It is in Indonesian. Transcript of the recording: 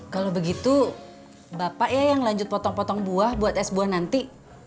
kalau begitu bapak ya yang lanjut potong potong buah buat es buah nanti